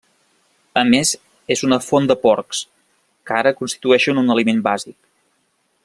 A més, és una font de porcs, que ara constitueixen un aliment bàsic.